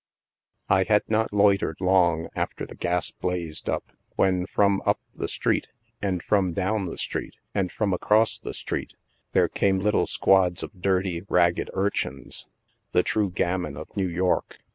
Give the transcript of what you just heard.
I had not loitered long after fie gas blazed up when from up the street, and from down the street, and from across the street there came little squads of dirty, ragged urchins — the true gamin of New York.